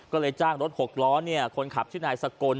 ก็เลยจ้างรถหกล้อคนขับชื่อนายสกล